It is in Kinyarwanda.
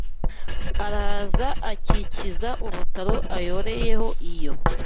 araza akikiza urutaro ayoreyeho iyo